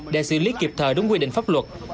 để xử lý kịp thời đúng quy định pháp luật